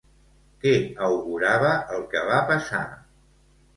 Què augurava el que va passar?